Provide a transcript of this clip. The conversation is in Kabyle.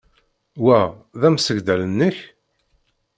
Wa d amsegdal-nnek?